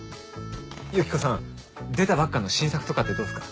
ユキコさん出たばっかの新作とかってどうっすか？